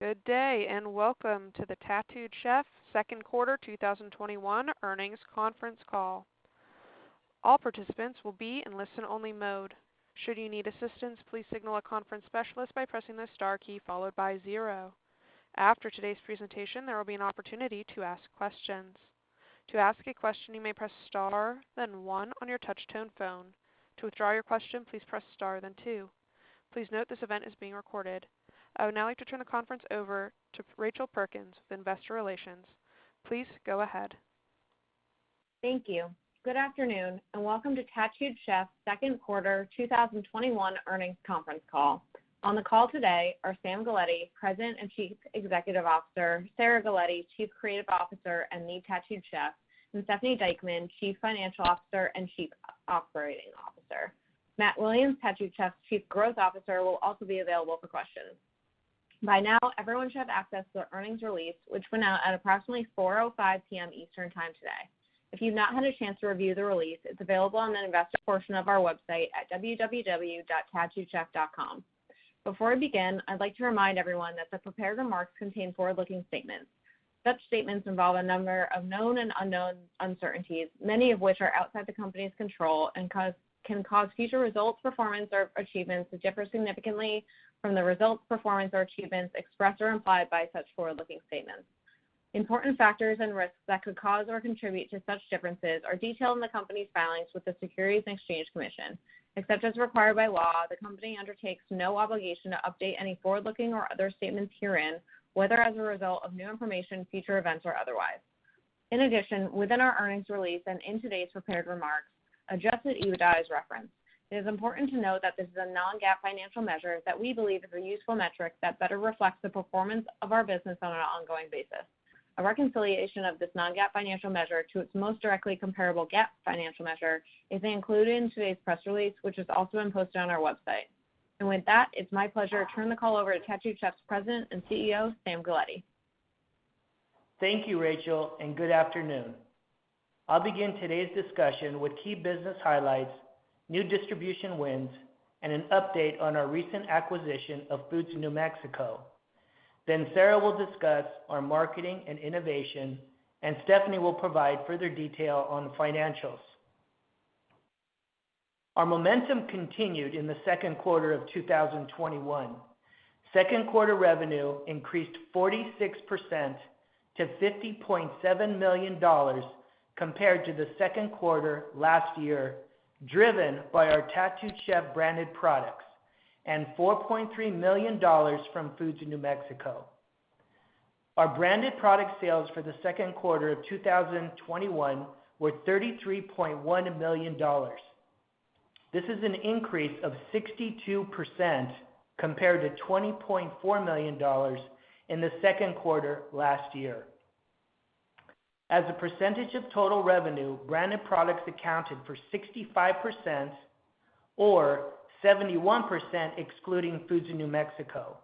Good day, and welcome to the Tattooed Chef second quarter 2021 earnings conference call. I would now like to turn the conference over to Rachel Perkins with investor relations. Please go ahead. Thank you. Good afternoon. Welcome to Tattooed Chef's second quarter 2021 earnings conference call. On the call today are Sam Galletti, President and Chief Executive Officer, Sarah Galletti, Chief Creative Officer and lead Tattooed Chef, and Stephanie Dieckmann, Chief Financial Officer and Chief Operating Officer. Matt Williams, Tattooed Chef's Chief Growth Officer, will also be available for questions. By now, everyone should have access to our earnings release, which went out at approximately 4:05 P.M. Eastern Time today. If you've not had a chance to review the release, it's available on the investor portion of our website at www.tattooedchef.com. Before I begin, I'd like to remind everyone that the prepared remarks contain forward-looking statements. Such statements involve a number of known and unknown uncertainties, many of which are outside the company's control, and can cause future results, performance, or achievements to differ significantly from the results, performance, or achievements expressed or implied by such forward-looking statements. Important factors and risks that could cause or contribute to such differences are detailed in the company's filings with the Securities and Exchange Commission. Except as required by law, the company undertakes no obligation to update any forward-looking or other statements herein, whether as a result of new information, future events, or otherwise. In addition, within our earnings release and in today's prepared remarks, adjusted EBITDA is referenced. It is important to note that this is a non-GAAP financial measure that we believe is a useful metric that better reflects the performance of our business on an ongoing basis. A reconciliation of this non-GAAP financial measure to its most directly comparable GAAP financial measure is included in today's press release, which has also been posted on our website. With that, it's my pleasure to turn the call over to Tattooed Chef's President and CEO, Sam Galletti. Thank you, Rachel, and good afternoon. I'll begin today's discussion with key business highlights, new distribution wins, and an update on our recent acquisition of Foods of New Mexico. Sarah will discuss our marketing and innovation, and Stephanie will provide further detail on the financials. Our momentum continued in the second quarter of 2021. Second quarter revenue increased 46% to $50.7 million compared to the second quarter last year, driven by our Tattooed Chef branded products, and $4.3 million from Foods of New Mexico. Our branded product sales for the second quarter of 2021 were $33.1 million. This is an increase of 62% compared to $20.4 million in the second quarter last year. As a percentage of total revenue, branded products accounted for 65%, or 71% excluding Foods of New Mexico.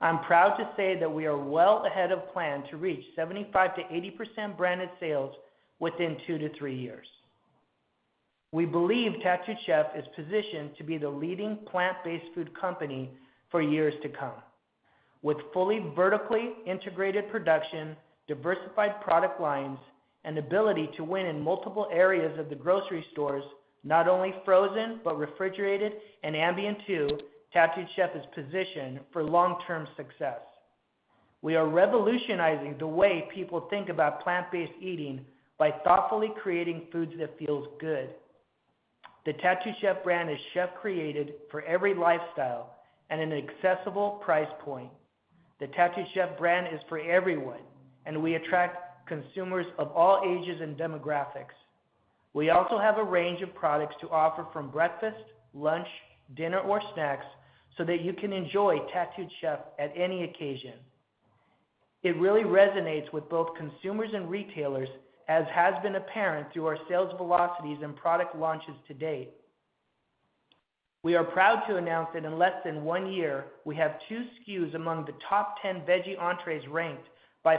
I'm proud to say that we are well ahead of plan to reach 75%-80% branded sales within two to three years. We believe Tattooed Chef is positioned to be the leading plant-based food company for years to come. With fully vertically integrated production, diversified product lines, and ability to win in multiple areas of the grocery stores, not only frozen, but refrigerated and ambient too, Tattooed Chef is positioned for long-term success. We are revolutionizing the way people think about plant-based eating by thoughtfully creating foods that feel good. The Tattooed Chef brand is chef created for every lifestyle, at an accessible price point. The Tattooed Chef brand is for everyone, and we attract consumers of all ages and demographics. We also have a range of products to offer from breakfast, lunch, dinner, or snacks, so that you can enjoy Tattooed Chef at any occasion. It really resonates with both consumers and retailers, as has been apparent through our sales velocities and product launches to date. We are proud to announce that in less than one year, we have two SKUs among the top 10 veggie entrees ranked by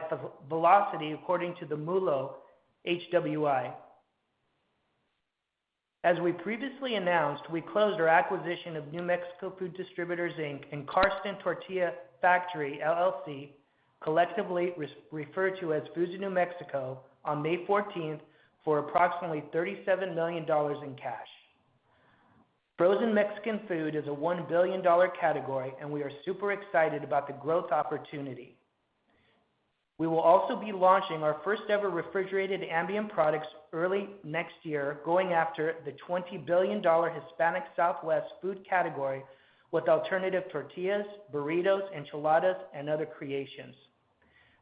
velocity, according to the MULO HWI. As we previously announced, we closed our acquisition of New Mexico Food Distributors, Inc. and Karsten Tortilla Factory, LLC, collectively referred to as Foods of New Mexico, on May 14th, for approximately $37 million in cash. Frozen Mexican food is a $1 billion category, and we are super excited about the growth opportunity. We will also be launching our first ever refrigerated ambient products early next year, going after the $20 billion Hispanic Southwest food category with alternative tortillas, burritos, enchiladas, and other creations.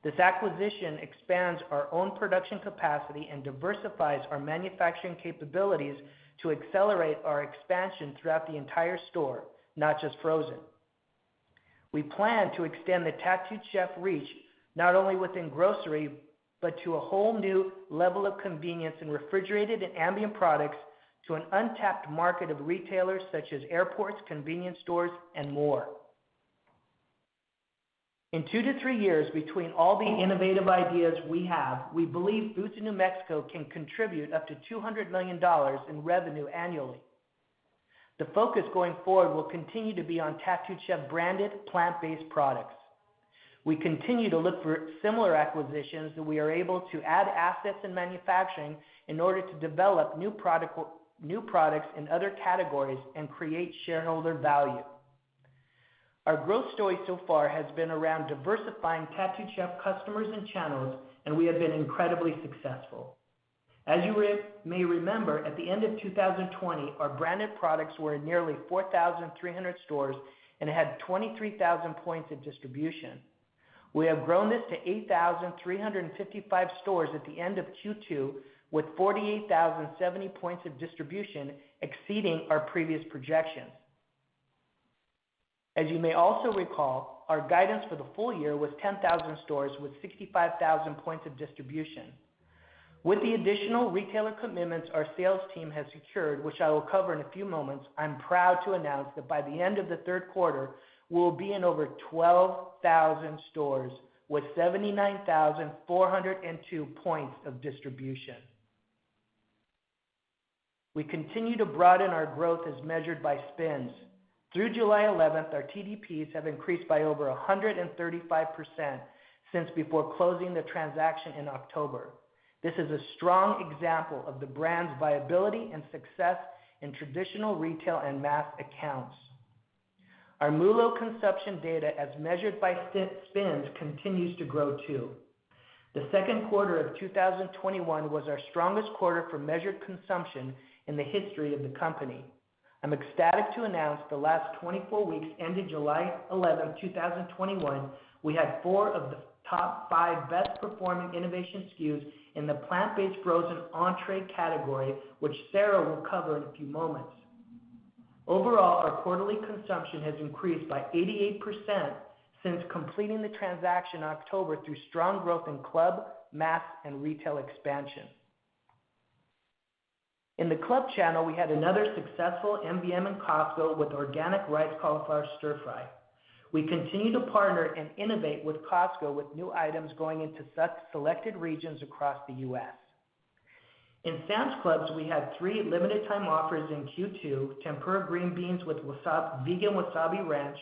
This acquisition expands our own production capacity and diversifies our manufacturing capabilities to accelerate our expansion throughout the entire store, not just frozen. We plan to extend the Tattooed Chef reach, not only within grocery, but to a whole new level of convenience in refrigerated and ambient products to an untapped market of retailers such as airports, convenience stores, and more. In two to three years, between all the innovative ideas we have, we believe Foods of New Mexico can contribute up to $200 million in revenue annually. The focus going forward will continue to be on Tattooed Chef branded plant-based products. We continue to look for similar acquisitions that we are able to add assets and manufacturing in order to develop new products in other categories and create shareholder value. Our growth story so far has been around diversifying Tattooed Chef customers and channels, and we have been incredibly successful. As you may remember, at the end of 2020, our branded products were in nearly 4,300 stores and had 23,000 points of distribution. We have grown this to 8,355 stores at the end of Q2, with 48,070 points of distribution, exceeding our previous projections. As you may also recall, our guidance for the full year was 10,000 stores with 65,000 points of distribution. With the additional retailer commitments our sales team has secured, which I will cover in a few moments, I'm proud to announce that by the end of the third quarter, we will be in over 12,000 stores with 79,402 points of distribution. We continue to broaden our growth as measured by SPINS. Through July 11th, our TDPs have increased by over 135% since before closing the transaction in October. This is a strong example of the brand's viability and success in traditional retail and mass accounts. Our MULO consumption data, as measured by SPINS, continues to grow, too. The second quarter of 2021 was our strongest quarter for measured consumption in the history of the company. I'm ecstatic to announce the last 24 weeks, ending July 11, 2021, we had four of the top five best performing innovation SKUs in the plant-based frozen entree category, which Sarah will cover in a few moments. Overall, our quarterly consumption has increased by 88% since completing the transaction in October through strong growth in club, mass, and retail expansion. In the club channel, we had another successful MVM in Costco with Organic Riced Cauliflower Stir Fry. We continue to partner and innovate with Costco, with new items going into selected regions across the U.S. In Sam's Club, we had three limited time offers in Q2, Tempura Green Beans with Vegan Wasabi Ranch,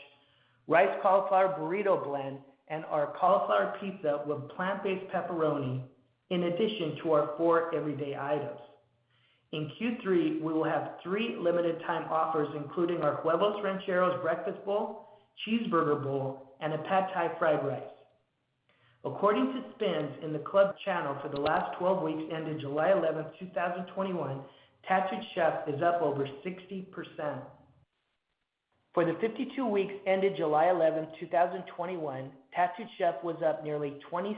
Riced Cauliflower Burrito Blend, and our cauliflower pizza with Plant Based Pepperoni, in addition to our four everyday items. In Q3, we will have three limited time offers, including our Huevos Rancheros Breakfast Bowl, Cheeseburger Bowl, and a Pad Thai fried rice. According to SPINS in the club channel for the last 12 weeks ending July 11, 2021, Tattooed Chef is up over 60%. For the 52 weeks ending July 11, 2021, Tattooed Chef was up nearly 27%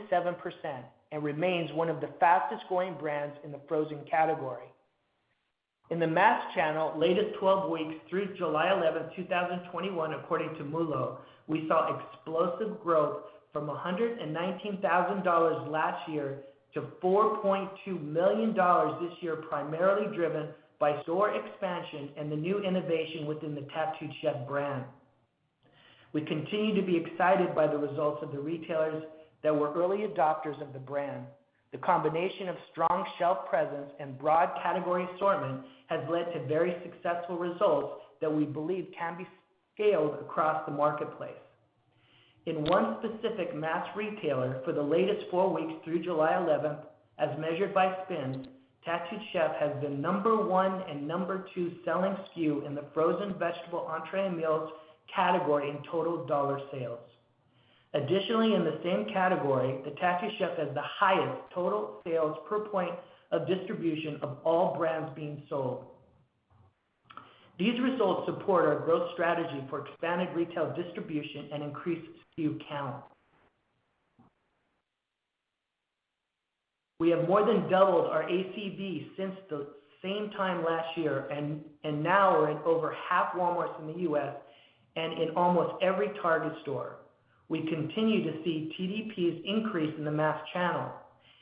and remains one of the fastest growing brands in the frozen category. In the mass channel, latest 12 weeks through July 11, 2021, according to MULO, we saw explosive growth from $119,000 last year to $4.2 million this year, primarily driven by store expansion and the new innovation within the Tattooed Chef brand. We continue to be excited by the results of the retailers that were early adopters of the brand. The combination of strong shelf presence and broad category assortment has led to very successful results that we believe can be scaled across the marketplace. In 1 specific mass retailer, for the latest 4 weeks through July 11th, as measured by SPINS, Tattooed Chef has the number one and number two selling SKU in the frozen vegetable entree and meals category in total dollar sales. Additionally, in the same category, the Tattooed Chef has the highest total sales per point of distribution of all brands being sold. These results support our growth strategy for expanded retail distribution and increased SKU count. We have more than doubled our ACV since the same time last year, and now we're in over half Walmarts in the U.S. and in almost every Target store. We continue to see TDPs increase in the mass channel.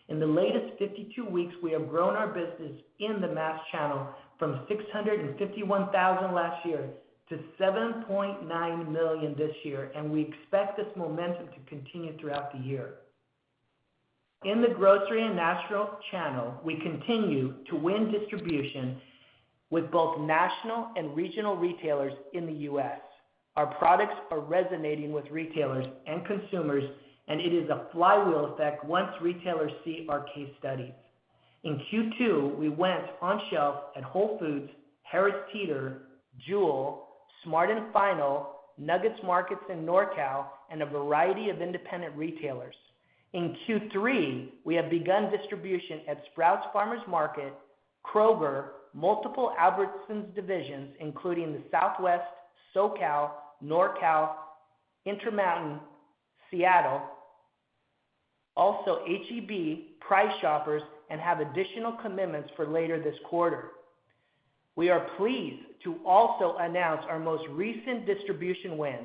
In the latest 52 weeks, we have grown our business in the mass channel from $651,000 last year to $7.9 million this year, and we expect this momentum to continue throughout the year. In the grocery and natural channel, we continue to win distribution with both national and regional retailers in the U.S. Our products are resonating with retailers and consumers, and it is a flywheel effect once retailers see our case studies. In Q2, we went on shelf at Whole Foods, Harris Teeter, Jewel, Smart & Final, Nugget Markets in NorCal, and a variety of independent retailers. In Q3, we have begun distribution at Sprouts Farmers Market, Kroger, multiple Albertsons divisions, including the Southwest, SoCal, NorCal, Intermountain, Seattle. Also, H-E-B, Price Chopper, and have additional commitments for later this quarter. We are pleased to also announce our most recent distribution win.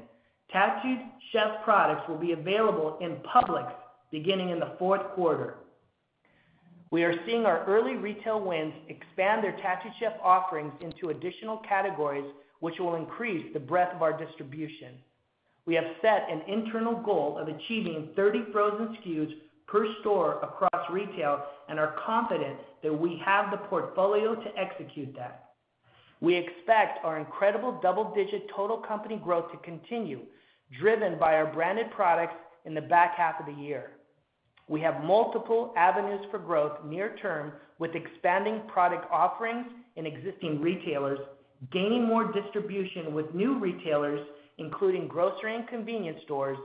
Tattooed Chef products will be available in Publix beginning in the fourth quarter. We are seeing our early retail wins expand their Tattooed Chef offerings into additional categories, which will increase the breadth of our distribution. We have set an internal goal of achieving 30 frozen SKUs per store across retail and are confident that we have the portfolio to execute that. We expect our incredible double-digit total company growth to continue, driven by our branded products in the back half of the year. We have multiple avenues for growth near term with expanding product offerings in existing retailers, gaining more distribution with new retailers, including grocery and convenience stores,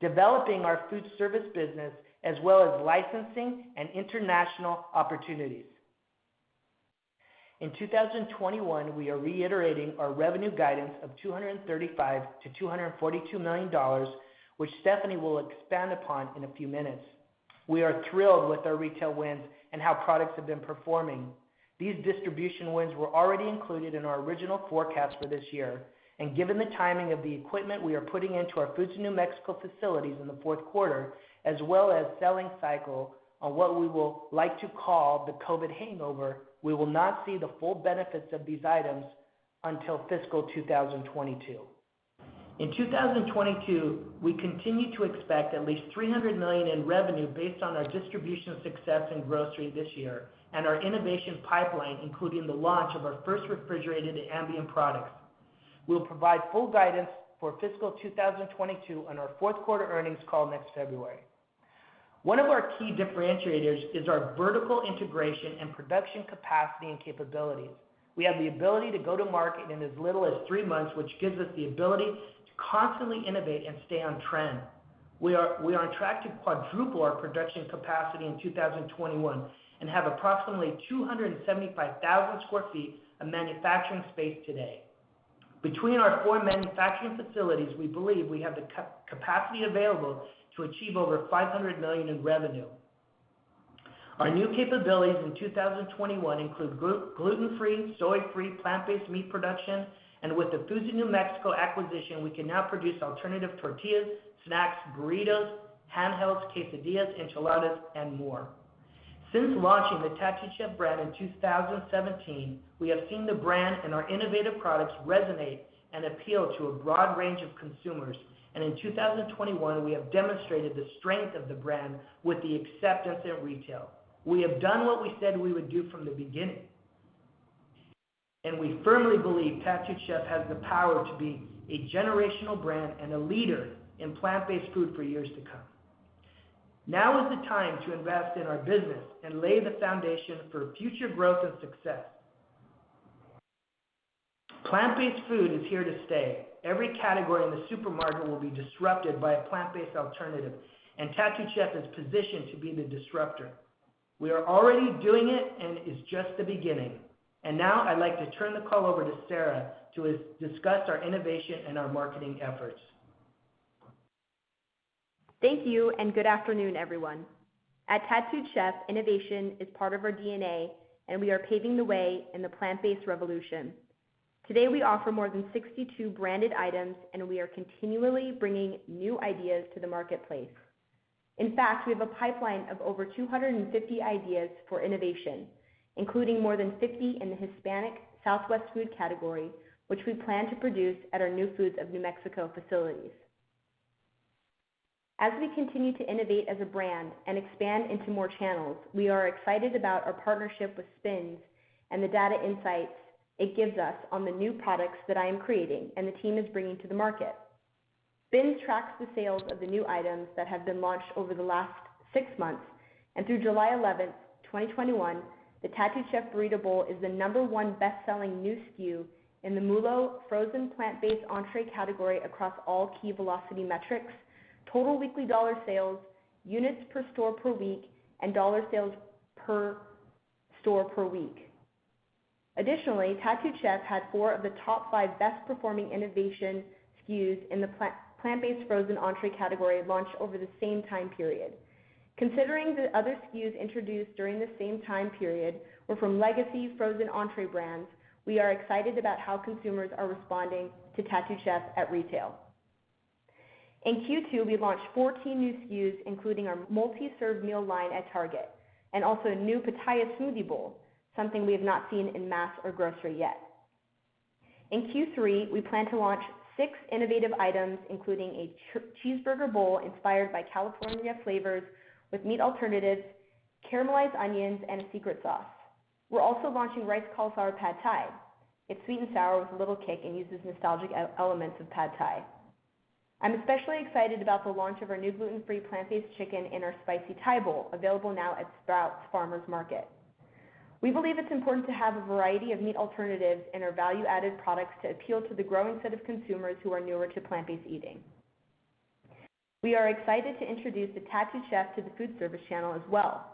developing our food service business, as well as licensing and international opportunities. In 2021, we are reiterating our revenue guidance of $235 million-$242 million, which Stephanie will expand upon in a few minutes. We are thrilled with our retail wins and how products have been performing. These distribution wins were already included in our original forecast for this year, and given the timing of the equipment we are putting into our Foods of New Mexico facilities in the fourth quarter, as well as selling cycle on what we will like to call the COVID hangover, we will not see the full benefits of these items until fiscal 2022. In 2022, we continue to expect at least $300 million in revenue based on our distribution success in grocery this year and our innovation pipeline, including the launch of our first refrigerated ambient products. We'll provide full guidance for fiscal 2022 on our fourth-quarter earnings call next February. One of our key differentiators is our vertical integration in production capacity and capabilities. We have the ability to go to market in as little as three months, which gives us the ability to constantly innovate and stay on trend. We are on track to quadruple our production capacity in 2021 and have approximately 275,000 square feet of manufacturing space today. Between our four manufacturing facilities, we believe we have the capacity available to achieve over $500 million in revenue. Our new capabilities in 2021 include gluten-free, soy-free, plant-based meat production, and with the Foods of New Mexico acquisition, we can now produce alternative tortillas, snacks, burritos, handhelds, quesadillas, enchiladas, and more. Since launching the Tattooed Chef brand in 2017, we have seen the brand and our innovative products resonate and appeal to a broad range of consumers. In 2021, we have demonstrated the strength of the brand with the acceptance at retail. We have done what we said we would do from the beginning, and we firmly believe Tattooed Chef has the power to be a generational brand and a leader in plant-based food for years to come. Now is the time to invest in our business and lay the foundation for future growth and success. Plant-based food is here to stay. Every category in the supermarket will be disrupted by a plant-based alternative, and Tattooed Chef is positioned to be the disruptor. We are already doing it, and it is just the beginning. Now I'd like to turn the call over to Sarah to discuss our innovation and our marketing efforts. Thank you, and good afternoon, everyone. At Tattooed Chef, innovation is part of our DNA, and we are paving the way in the plant-based revolution. Today, we offer more than 62 branded items, and we are continually bringing new ideas to the marketplace. In fact, we have a pipeline of over 250 ideas for innovation, including more than 50 in the Hispanic Southwest food category, which we plan to produce at our new Foods of New Mexico facilities. As we continue to innovate as a brand and expand into more channels, we are excited about our partnership with SPINS and the data insights it gives us on the new products that I am creating and the team is bringing to the market. SPINS tracks the sales of the new items that have been launched over the last six months. Through July 11th, 2021, the Tattooed Chef Burrito Bowl is the number one bestselling new SKU in the MULO frozen plant-based entree category across all key velocity metrics, total weekly dollar sales, units per store per week, and dollar sales per store per week. Additionally, Tattooed Chef had four of the top five best performing innovation SKUs in the plant-based frozen entree category launched over the same time period. Considering that other SKUs introduced during the same time period were from legacy frozen entree brands, we are excited about how consumers are responding to Tattooed Chef at retail. In Q2, we launched 14 new SKUs, including our multi-serve meal line at Target, and also a new Pitaya Smoothie Bowl, something we have not seen in mass or grocery yet. In Q3, we plan to launch 6 innovative items, including a Cheeseburger Bowl inspired by California flavors with meat alternatives, caramelized onions, and a secret sauce. We're also launching riced cauliflower pad thai. It's sweet and sour with a little kick and uses nostalgic elements of pad thai. I'm especially excited about the launch of our new gluten-free plant-based chicken in our Spicy Thai Bowl, available now at Sprouts Farmers Market. We believe it's important to have a variety of meat alternatives in our value-added products to appeal to the growing set of consumers who are newer to plant-based eating. We are excited to introduce the Tattooed Chef to the food service channel as well.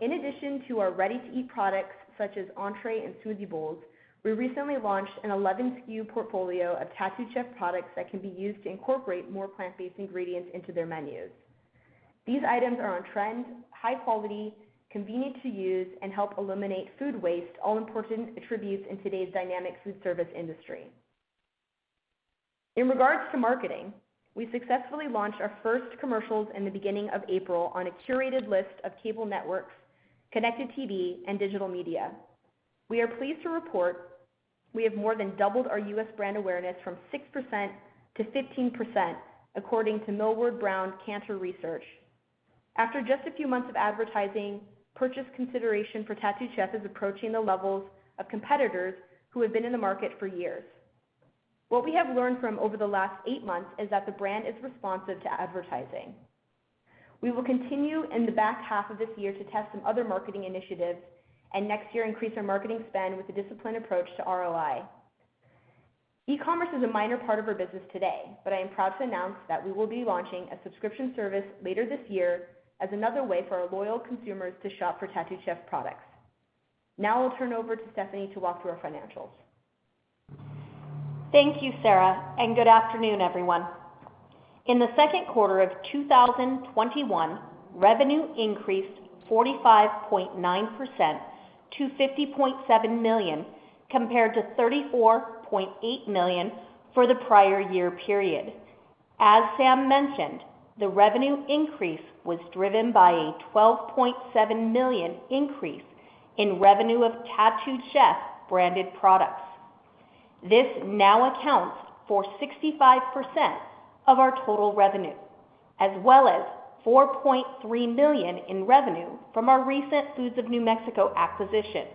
In addition to our ready-to-eat products, such as entree and smoothie bowls, we recently launched an 11 SKU portfolio of Tattooed Chef products that can be used to incorporate more plant-based ingredients into their menus. These items are on trend, high quality, convenient to use, and help eliminate food waste, all important attributes in today's dynamic food service industry. In regards to marketing, we successfully launched our first commercials in the beginning of April on a curated list of cable networks, connected TV, and digital media. We are pleased to report we have more than doubled our U.S. brand awareness from 6% to 15%, according to Kantar Millward Brown. After just a few months of advertising, purchase consideration for Tattooed Chef is approaching the levels of competitors who have been in the market for years. What we have learned from over the last eight months is that the brand is responsive to advertising. We will continue in the back half of this year to test some other marketing initiatives, and next year, increase our marketing spend with a disciplined approach to ROI. E-commerce is a minor part of our business today, but I am proud to announce that we will be launching a subscription service later this year as another way for our loyal consumers to shop for Tattooed Chef products. I'll turn over to Stephanie to walk through our financials. Thank you, Sarah. Good afternoon, everyone. In the second quarter of 2021, revenue increased 45.9% to $50.7 million, compared to $34.8 million for the prior year period. As Sam mentioned, the revenue increase was driven by a $12.7 million increase in revenue of Tattooed Chef branded products. This now accounts for 65% of our total revenue, as well as $4.3 million in revenue from our recent Foods of New Mexico acquisition.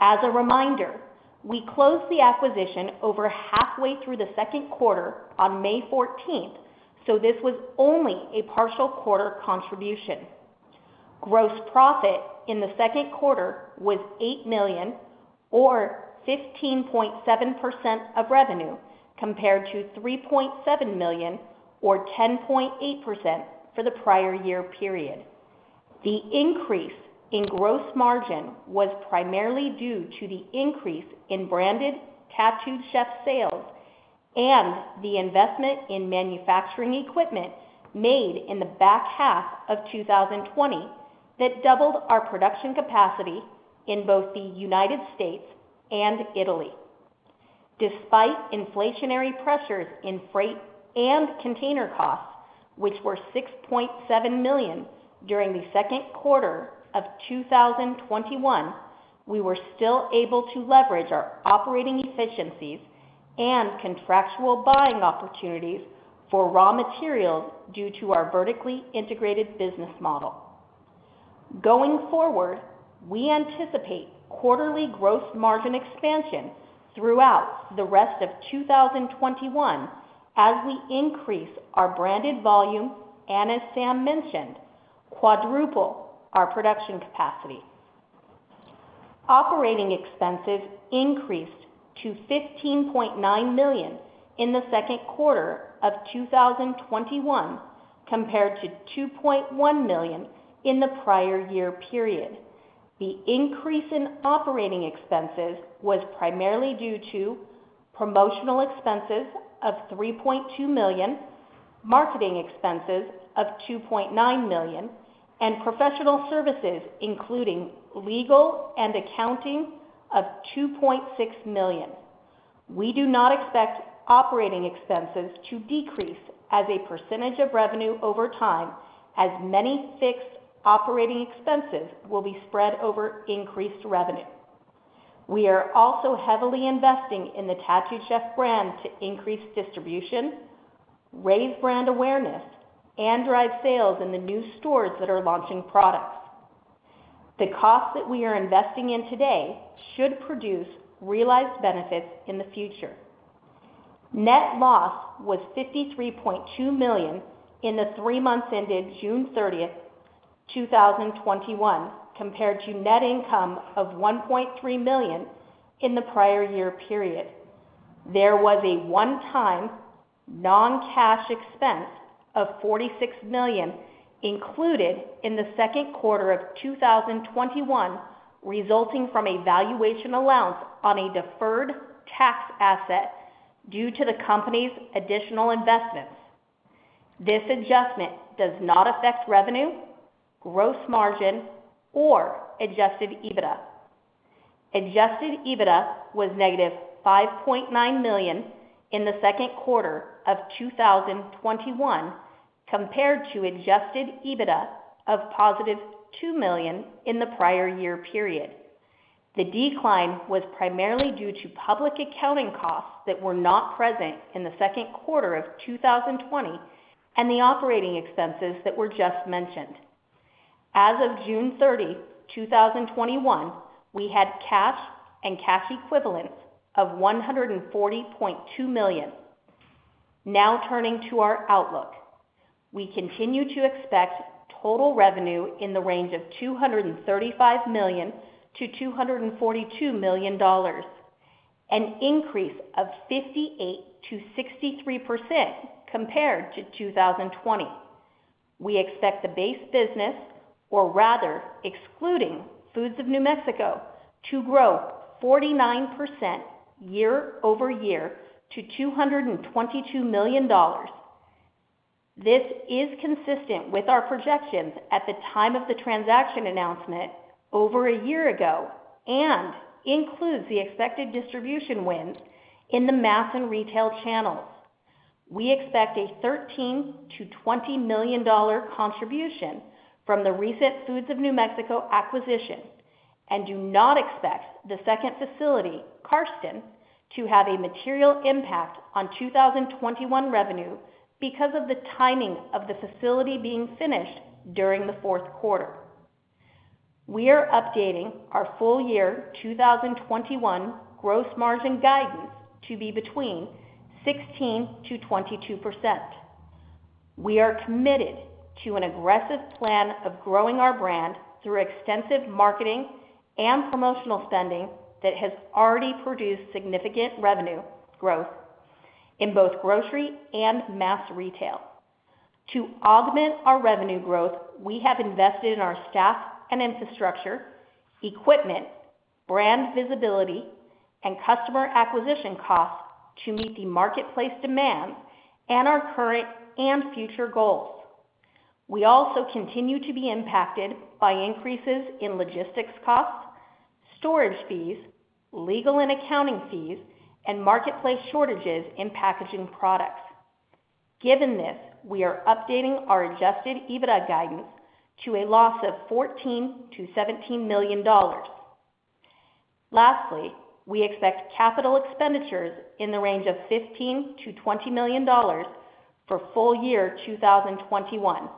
As a reminder, we closed the acquisition over halfway through the second quarter on May 14th, so this was only a partial quarter contribution. Gross profit in the second quarter was $8 million, or 15.7% of revenue, compared to $3.7 million or 10.8% for the prior year period. The increase in gross margin was primarily due to the increase in branded Tattooed Chef sales and the investment in manufacturing equipment made in the back half of 2020 that doubled our production capacity in both the U.S. and Italy. Despite inflationary pressures in freight and container costs, which were $6.7 million during the second quarter of 2021, we were still able to leverage our operating efficiencies and contractual buying opportunities for raw materials due to our vertically integrated business model. Going forward, we anticipate quarterly gross margin expansion throughout the rest of 2021 as we increase our branded volume and, as Sam mentioned, quadruple our production capacity. Operating expenses increased to $15.9 million in the second quarter of 2021 compared to $2.1 million in the prior year period. The increase in operating expenses was primarily due to promotional expenses of $3.2 million, marketing expenses of $2.9 million, and professional services, including legal and accounting, of $2.6 million. We do not expect operating expenses to decrease as a percentage of revenue over time, as many fixed operating expenses will be spread over increased revenue. We are also heavily investing in the Tattooed Chef brand to increase distribution, raise brand awareness, and drive sales in the new stores that are launching products. The costs that we are investing in today should produce realized benefits in the future. Net loss was $53.2 million in the three months ended June 30th, 2021, compared to net income of $1.3 million in the prior year period. There was a one-time non-cash expense of $46 million included in the second quarter of 2021, resulting from a valuation allowance on a deferred tax asset due to the company's additional investments. This adjustment does not affect revenue, gross margin, or adjusted EBITDA. Adjusted EBITDA was -$5.9 million in the second quarter of 2021 compared to adjusted EBITDA of +$2 million in the prior year period. The decline was primarily due to public accounting costs that were not present in the second quarter of 2020 and the operating expenses that were just mentioned. As of June 30th, 2021, we had cash and cash equivalents of $140.2 million. Now turning to our outlook. We continue to expect total revenue in the range of $235 million-$242 million, an increase of 58%-63% compared to 2020. We expect the base business, or rather, excluding Foods of New Mexico, to grow 49% year-over-year to $222 million. This is consistent with our projections at the time of the transaction announcement over a year ago and includes the expected distribution wins in the mass and retail channels. We expect a $13 million-$20 million contribution from the recent Foods of New Mexico acquisition, and do not expect the second facility, Karsten, to have a material impact on 2021 revenue because of the timing of the facility being finished during the fourth quarter. We are updating our full year 2021 gross margin guidance to be between 16%-22%. We are committed to an aggressive plan of growing our brand through extensive marketing and promotional spending that has already produced significant revenue growth in both grocery and mass retail. To augment our revenue growth, we have invested in our staff and infrastructure, equipment, brand visibility, and customer acquisition costs to meet the marketplace demand and our current and future goals. We also continue to be impacted by increases in logistics costs, storage fees, legal and accounting fees, and marketplace shortages in packaging products. Given this, we are updating our adjusted EBITDA guidance to a loss of $14 million-$17 million. Lastly, we expect capital expenditures in the range of $15 million-$20 million for full year 2021,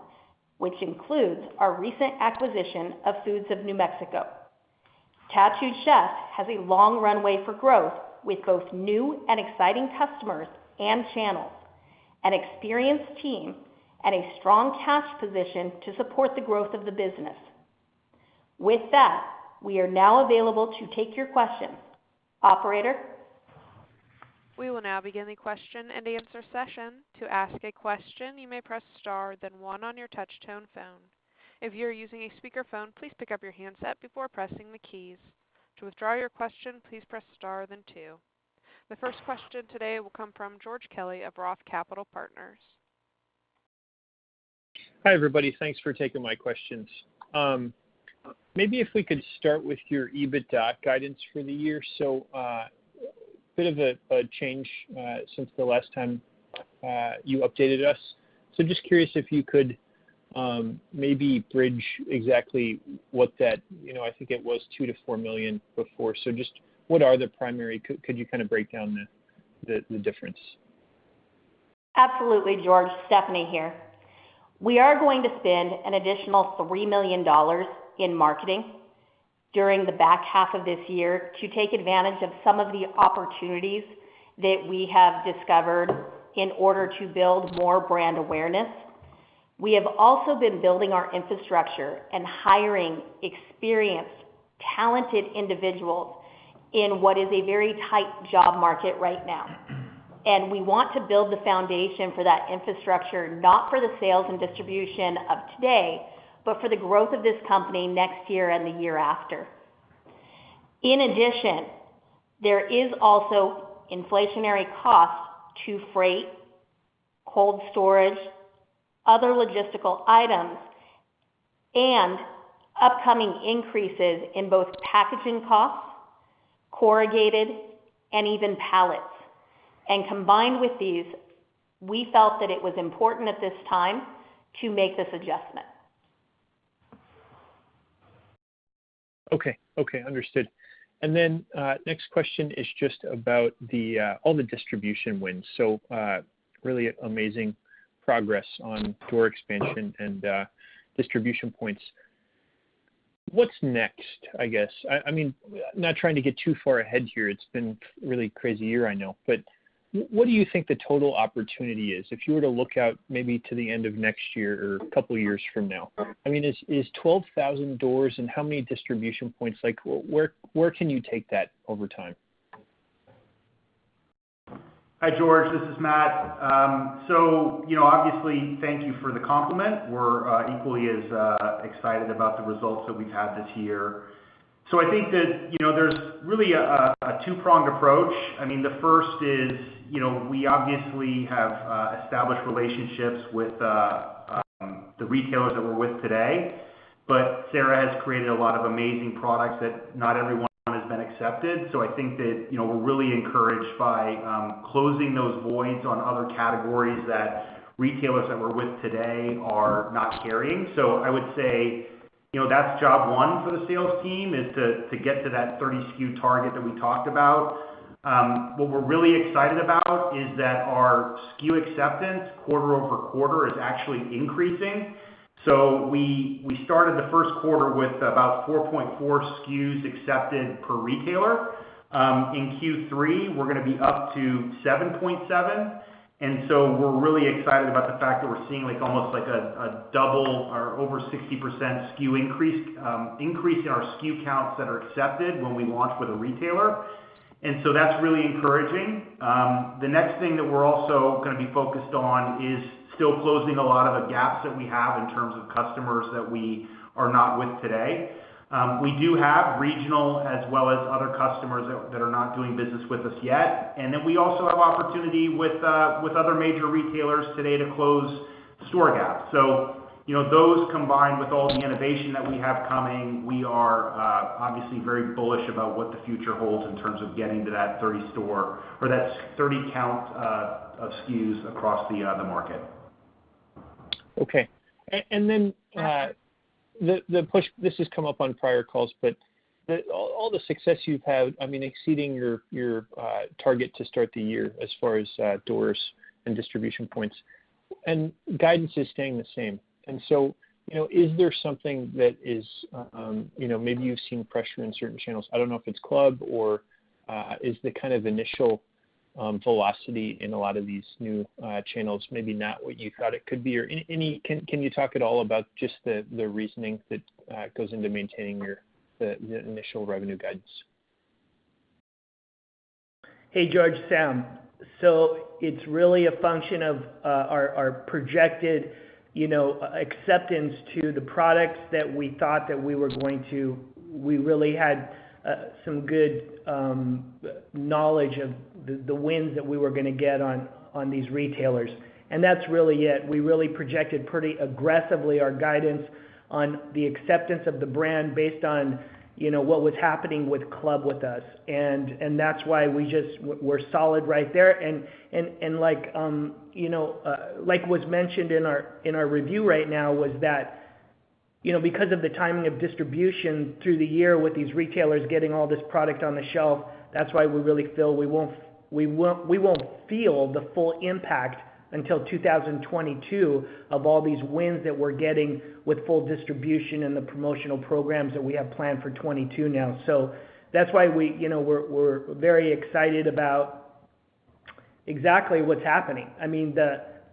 which includes our recent acquisition of Foods of New Mexico. Tattooed Chef has a long runway for growth with both new and exciting customers and channels, an experienced team, and a strong cash position to support the growth of the business. With that, we are now available to take your questions. Operator? We will now begin the question and answer session. The first question today will come from George Kelly of Roth Capital Partners. Hi, everybody. Thanks for taking my questions. Maybe if we could start with your EBITDA guidance for the year. Bit of a change since the last time you updated us. Just curious if you could maybe bridge exactly what that, I think it was $2 million-$4 million before. Could you break down the difference? Absolutely, George. Stephanie here. We are going to spend an additional $3 million in marketing during the back half of this year to take advantage of some of the opportunities that we have discovered in order to build more brand awareness. We have also been building our infrastructure and hiring experienced, talented individuals in what is a very tight job market right now. We want to build the foundation for that infrastructure, not for the sales and distribution of today, but for the growth of this company next year and the year after. In addition, there is also inflationary costs to freight, cold storage, other logistical items, and upcoming increases in both packaging costs, corrugated, and even pallets. Combined with these, we felt that it was important at this time to make this adjustment. Okay. Understood. Next question is just about all the distribution wins. Really amazing progress on door expansion and distribution points. What's next, I guess? I'm not trying to get too far ahead here. It's been a really crazy year, I know. What do you think the total opportunity is if you were to look out maybe to the end of next year or a couple of years from now? Is 12,000 doors and how many distribution points, where can you take that over time? Hi, George. This is Matt. Obviously, thank you for the compliment. We're equally as excited about the results that we've had this year. I think that there's really a two-pronged approach. The first is, we obviously have established relationships with the retailers that we're with today. Sarah has created a lot of amazing products that not every one has been accepted. I think that we're really encouraged by closing those voids on other categories that retailers that we're with today are not carrying. I would say, that's job one for the sales team, is to get to that 30 SKU target that we talked about. What we're really excited about is that our SKU acceptance quarter-over-quarter is actually increasing. We started the first quarter with about 4.4 SKUs accepted per retailer. In Q3, we're going to be up to 7.7. We're really excited about the fact that we're seeing almost like a double or over 60% SKU increase. Increase in our SKU counts that are accepted when we launch with a retailer and that's really encouraging. The next thing that we're also going to be focused on is still closing a lot of the gaps that we have in terms of customers that we are not with today. We do have regional as well as other customers that are not doing business with us yet. We also have opportunity with other major retailers today to close store gap. Those combined with all the innovation that we have coming, we are obviously very bullish about what the future holds in terms of getting to that 30 store or that 30 count of SKUs across the market. Okay. Then the push, this has come up on prior calls, but all the success you've had, exceeding your target to start the year as far as doors and distribution points, guidance is staying the same. So, is there something that is maybe you've seen pressure in certain channels. I don't know if it's club or is the kind of initial velocity in a lot of these new channels maybe not what you thought it could be? Can you talk at all about just the reasoning that goes into maintaining the initial revenue guidance? Hey, George, Sam. It's really a function of our projected acceptance to the products. We really had some good knowledge of the wins that we were going to get on these retailers. That's really it. We really projected pretty aggressively our guidance on the acceptance of the brand based on what was happening with club with us. That's why we're solid right there. Like was mentioned in our review right now was that because of the timing of distribution through the year with these retailers getting all this product on the shelf, that's why we really feel we won't feel the full impact until 2022 of all these wins that we're getting with full distribution and the promotional programs that we have planned for 2022 now. That's why we're very excited about exactly what's happening.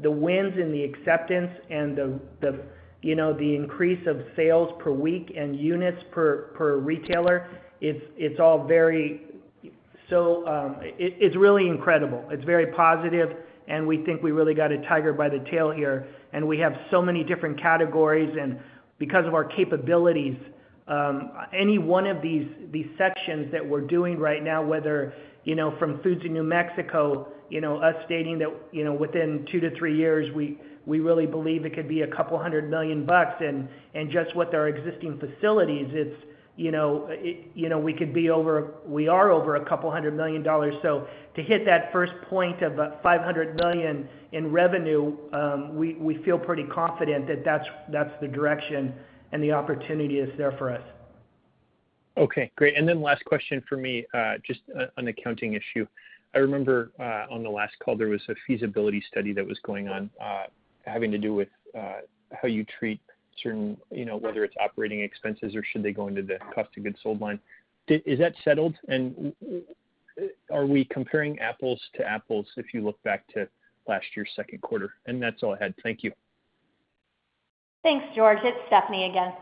The wins and the acceptance and the increase of sales per week and units per retailer, it's all very, it's really incredible. It's very positive, and we think we really got a tiger by the tail here, and we have so many different categories. Because of our capabilities, any one of these sections that we're doing right now, whether from Foods of New Mexico, us stating that within two to three years, we really believe it could be a couple $100 million. Just with our existing facilities, we are over a couple $100 million. To hit that first point of $500 million in revenue, we feel pretty confident that that's the direction and the opportunity is there for us. Okay, great. Last question from me, just an accounting issue. I remember on the last call, there was a feasibility study that was going on having to do with how you treat certain operating expenses or should they go into the cost of goods sold line. Is that settled, and are we comparing apples to apples if you look back to last year's second quarter? That's all I had. Thank you. Thanks, George. It's Stephanie again.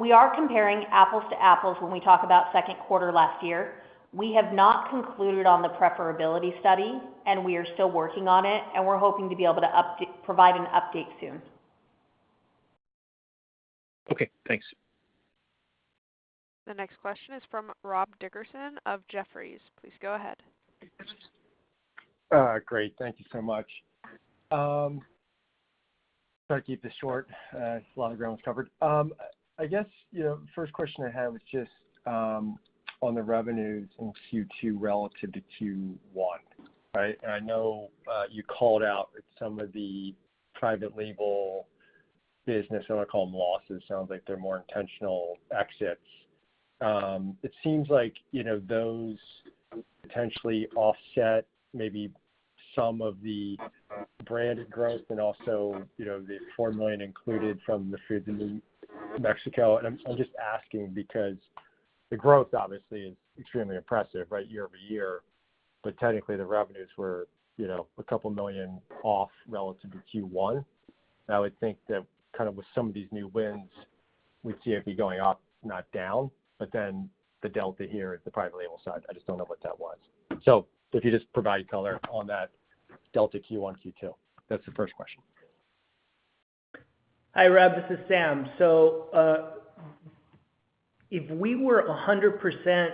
We are comparing apples to apples when we talk about second quarter last year. We have not concluded on the preferability study, and we are still working on it, and we're hoping to be able to provide an update soon. Okay, thanks. The next question is from Rob Dickerson of Jefferies. Please go ahead. Great. Thank you so much. Try to keep this short, a lot of ground was covered. I guess, first question I have is just on the revenues in Q2 relative to Q1, right? I know you called out some of the private label business, I want to call them losses. Sounds like they're more intentional exits. It seems like those potentially offset maybe some of the branded growth and also the $4 million included from the Foods of New Mexico. I'm just asking because the growth obviously is extremely impressive, right, year-over-year, but technically the revenues were a couple million off relative to Q1. I would think that kind of with some of these new wins, we'd see it be going up, not down, but then the delta here at the private label side, I just don't know what that was. If you just provide color on that delta Q1, Q2. That's the first question. Hi, Rob, this is Sam. If we were 100%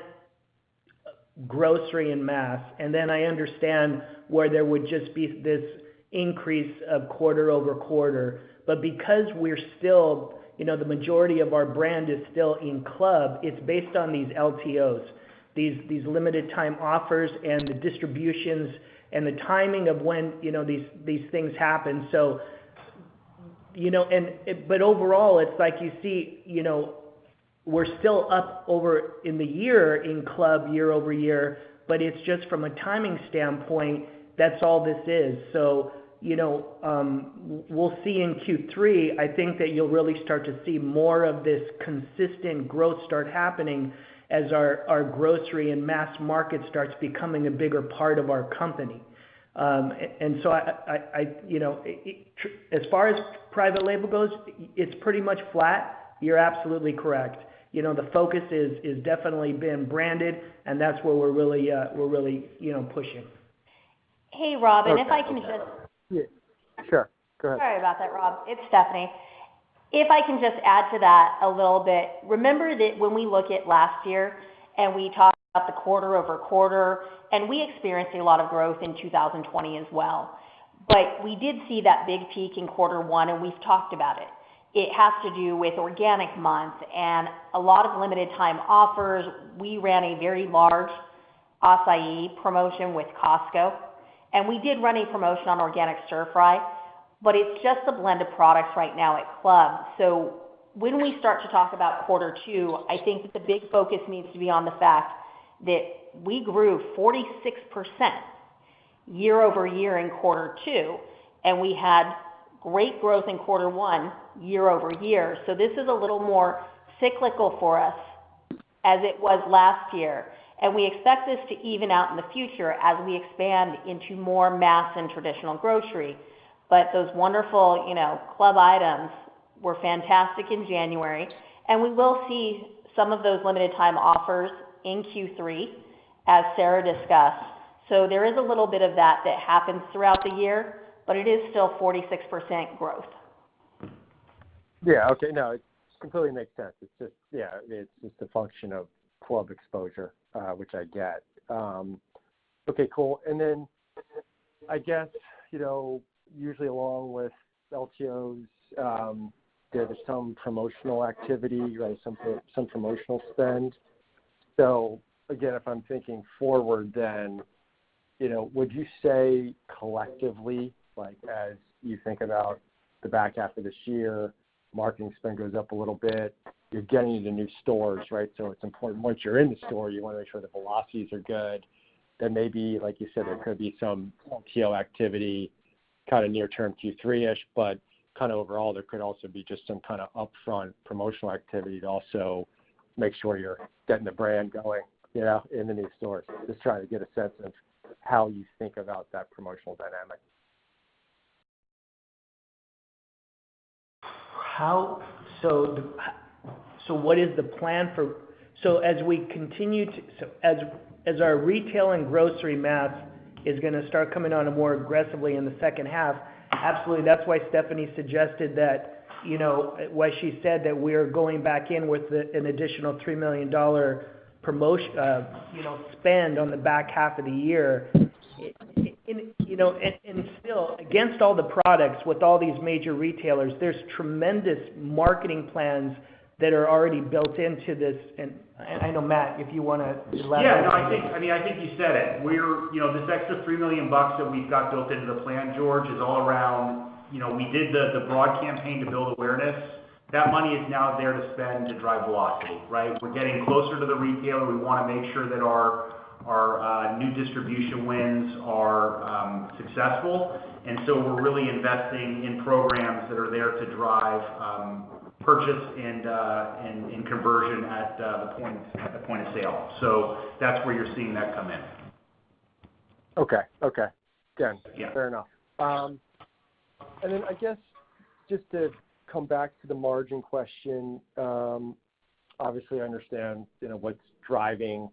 grocery and mass, and then I understand where there would just be this increase of quarter-over-quarter. But because the majority of our brand is still in club, it's based on these LTOs, these limited time offers and the distributions and the timing of when these things happen. Overall, it's like you see we're still up over in the year in club year-over-year, but it's just from a timing standpoint, that's all this is. We'll see in Q3, I think that you'll really start to see more of this consistent growth start happening as our grocery and mass market starts becoming a bigger part of our company. As far as private label goes, it's pretty much flat. You're absolutely correct. The focus has definitely been branded, and that's where we're really pushing. Hey, Rob. Sure. Go ahead. Sorry about that, Rob. It's Stephanie. I can just add to that a little bit. Remember that when we look at last year and we talked about the quarter-over-quarter, we experienced a lot of growth in 2020 as well. But we did see that big peak in Quarter one, we've talked about it. It has to do with organic months and a lot of limited time offers. We ran a very large acai promotion with Costco, we did run a promotion on organic stir fry, it's just a blend of products right now at club. When we start to talk about Quarter two, I think that the big focus needs to be on the fact that we grew 46% year-over-year in Quarter two, we had great growth in Quarter one year-over-year. This is a little more cyclical for us as it was last year, and we expect this to even out in the future as we expand into more mass and traditional grocery. Those wonderful club items were fantastic in January, and we will see some of those limited time offers in Q3, as Sarah discussed. There is a little bit of that that happens throughout the year, but it is still 46% growth. Yeah. Okay. No, it completely makes sense. It's just a function of club exposure, which I get. Okay, cool. Then I guess, usually along with LTOs, there's some promotional activity. You guys have some promotional spend. Again, if I'm thinking forward then, would you say collectively, like as you think about the back half of this year, marketing spend goes up a little bit. You're getting into new stores, right? It's important once you're in the store, you want to make sure the velocities are good. Maybe, like you said, there could be some LTO activity, near term, Q3, but overall, there could also be just some upfront promotional activity to also make sure you're getting the brand going in the new stores. Just trying to get a sense of how you think about that promotional dynamic. What is the plan for So as our retail and grocery mass is going to start coming on more aggressively in the second half, absolutely. That's why Stephanie suggested that, why she said that we're going back in with an additional $3 million spend on the back half of the year. Still, against all the products with all these major retailers, there's tremendous marketing plans that are already built into this. I know, Matt, if you want to elaborate on this. Yeah. No, I think you said it. This extra $3 million that we've got built into the plan, George, is all around, we did the broad campaign to build awareness. That money is now there to spend to drive velocity, right? We're getting closer to the retailer. We want to make sure that our new distribution wins are successful. We're really investing in programs that are there to drive purchase and conversion at the point of sale. That's where you're seeing that come in. Okay. Done. Yeah. I guess, just to come back to the margin question. Obviously I understand what's driving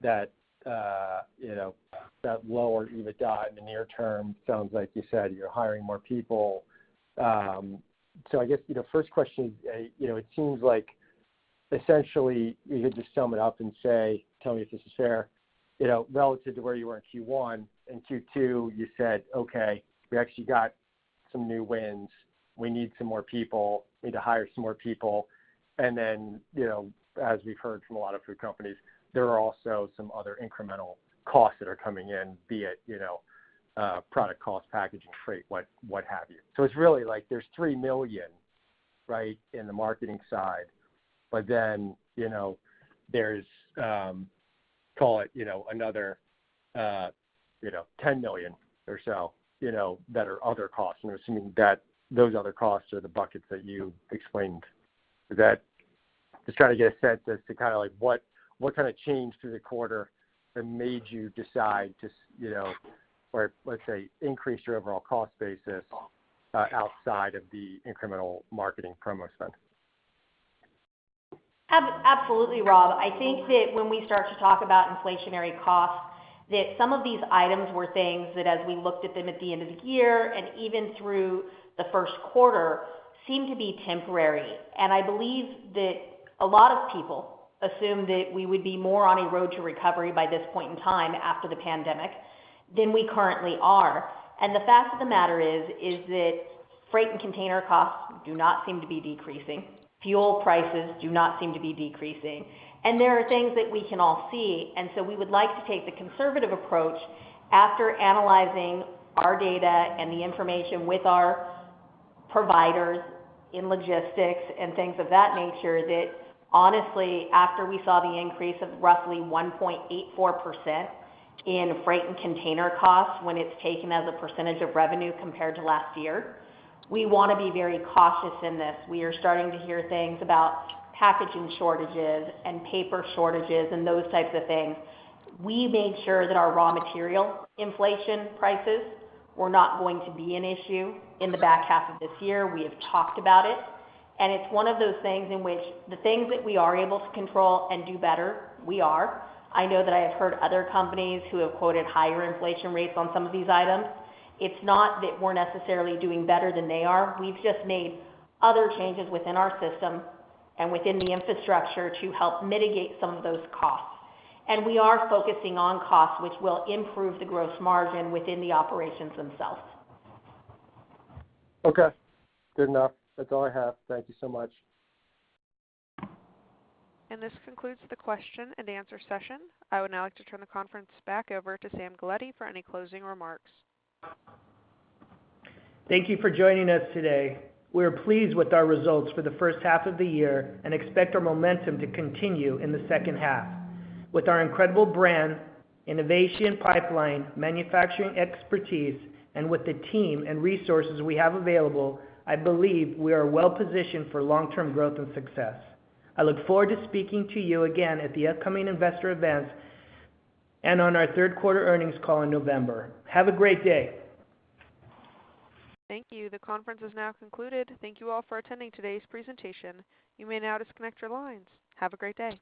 that lower EBITDA in the near term. Sounds like you said you're hiring more people. I guess, first question, it seems like essentially you could just sum it up and say, tell me if this is fair, relative to where you were in Q1 and Q2, you said, "Okay, we actually got some new wins. We need some more people. We need to hire some more people." As we've heard from a lot of food companies, there are also some other incremental costs that are coming in, be it, product cost, packaging, freight, what have you. It's really like there's $3 million in the marketing side, but then there's, call it another $10 million or so that are other costs. I'm assuming that those other costs are the buckets that you explained. Just trying to get a sense as to what kind of change to the quarter that made you decide to, or let's say, increase your overall cost basis, outside of the incremental marketing promo spend. Absolutely, Rob. I think that when we start to talk about inflationary costs, that some of these items were things that as we looked at them at the end of the year and even through the first quarter, seemed to be temporary. I believe that a lot of people assumed that we would be more on a road to recovery by this point in time after the pandemic than we currently are. The fact of the matter is that freight and container costs do not seem to be decreasing. Fuel prices do not seem to be decreasing, and there are things that we can all see. We would like to take the conservative approach after analyzing our data and the information with our providers in logistics and things of that nature, that honestly, after we saw the increase of roughly 1.84% in freight and container costs, when it's taken as a percentage of revenue compared to last year, we want to be very cautious in this. We are starting to hear things about packaging shortages and paper shortages and those types of things. We made sure that our raw material inflation prices were not going to be an issue in the back half of this year. We have talked about it, and it's one of those things in which the things that we are able to control and do better, we are. I know that I have heard other companies who have quoted higher inflation rates on some of these items. It's not that we're necessarily doing better than they are. We've just made other changes within our system and within the infrastructure to help mitigate some of those costs. We are focusing on costs which will improve the gross margin within the operations themselves. Okay. Good enough. That's all I have. Thank you so much. This concludes the question and answer session. I would now like to turn the conference back over to Sam Galletti for any closing remarks. Thank you for joining us today. We are pleased with our results for the first half of the year and expect our momentum to continue in the second half. With our incredible brand, innovation pipeline, manufacturing expertise, and with the team and resources we have available, I believe we are well positioned for long-term growth and success. I look forward to speaking to you again at the upcoming investor events and on our third quarter earnings call in November. Have a great day. Thank you. The conference is now concluded. Thank you all for attending today's presentation. You may now disconnect your lines. Have a great day.